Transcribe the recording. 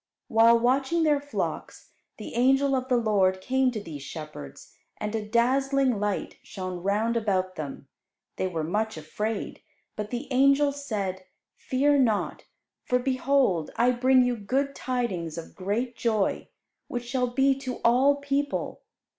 While watching their flocks, the angel of the Lord came to these shepherds, and a dazzling light shone round about them. They were much afraid; but the angel said, "Fear not; for behold I bring you good tidings of great joy, which shall be to all people.